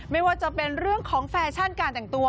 ไม่ว่าจะเป็นเรื่องของแฟชั่นการแต่งตัว